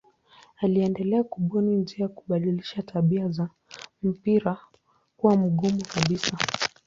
Aliendelea kubuni njia ya kubadilisha tabia za mpira kuwa mgumu kabisa.